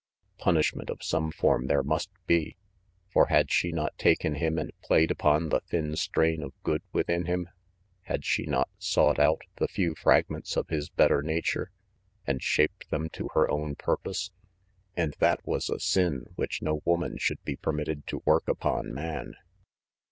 Punishment of some form there must be. For had she not taken him and played upon the thin strain of good within him? Had she not sought out the few fragments of his better nature and shaped them to her own purpose? And that was a sin which no woman should be permitted to work upon man.